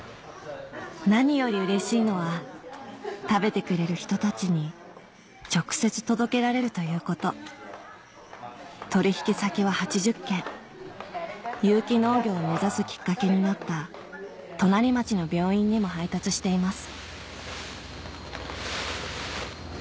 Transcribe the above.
何よりうれしいのは食べてくれる人たちに直接届けられるということ取引先は８０軒有機農業を目指すきっかけになった隣町の病院にも配達しています